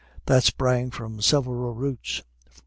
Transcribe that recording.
That sprang from several roots.